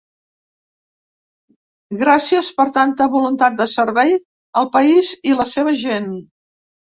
Gràcies per tanta voluntat de servei al país i la seva gent.